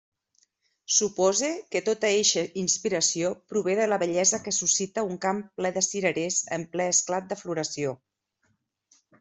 Supose que tota eixa inspiració prové de la bellesa que suscita un camp ple de cirerers en ple esclat de floració.